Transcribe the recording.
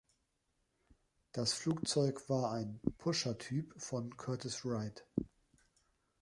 Das Flugzeug war ein „Pusher-Typ“ von Curtiss-Wright.